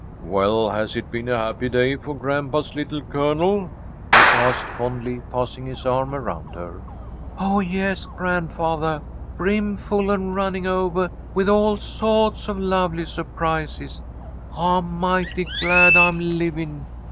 "Well, has it been a happy day for grandpa's little Colonel?" he asked, fondly, passing his arm around her. "Oh, yes, grandfathah! Brim full and running ovah with all sawts of lovely surprises. I'm mighty glad I'm living.